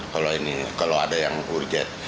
kalau ini kalau ada yang urgent